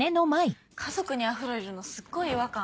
家族にアフロいるのすっごい違和感。